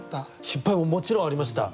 失敗ももちろんありました。